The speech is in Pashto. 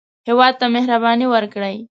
هېواد ته مهرباني وکړئ